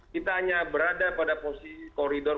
kita hanya berada pada posisi koridor